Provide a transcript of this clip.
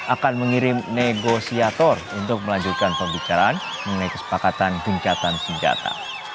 akan mengirim negosiator untuk melanjutkan pembicaraan mengenai kesepakatan gencatan senjata